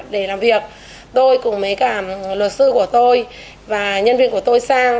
để làm việc tôi cùng với cả luật sư của tôi và nhân viên của tôi sang